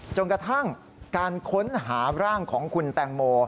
จนกระทั่งการค้นหาร่างของคุณแตงโม